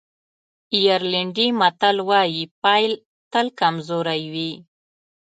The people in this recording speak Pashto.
آیرلېنډی متل وایي پيل تل کمزوری وي.